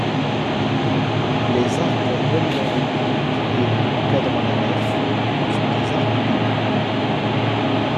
Les arcs reliant les murs aux piliers encadrant la nef sont des arcs-doubleaux.